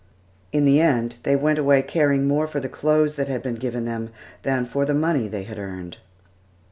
In the end they went away caring more for the clothes that had been given them than for the money they had earned.